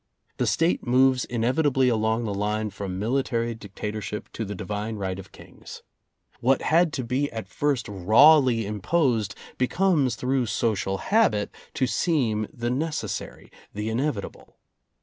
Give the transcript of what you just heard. The State moves inevitably along the line from military dictator ship to the divine right of Kings. What had to be at first rawly imposed becomes through social habit to seem the necessary, the inevitable.